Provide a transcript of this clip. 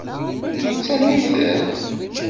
Yettamen-iten?